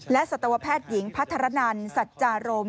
และสัตวแพทย์หญิงพัฒนันสัจจารม